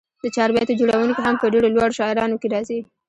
د چاربیتو جوړوونکي هم په ډېرو لوړو شاعرانو کښي راځي.